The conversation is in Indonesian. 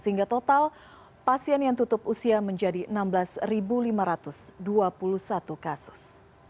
sehingga total pasien yang tutup usia menjadi enam belas lima ratus dua puluh satu kasus